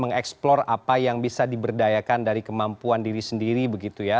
mengeksplor apa yang bisa diberdayakan dari kemampuan diri sendiri begitu ya